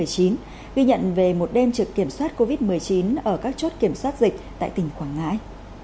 ghi nhận về một đêm trực kiểm soát covid một mươi chín ở các chốt kiểm soát dịch tại tỉnh quảng ngãi